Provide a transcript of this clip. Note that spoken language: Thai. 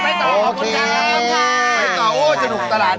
ไปต่อโอ๊ยสนุกตลาด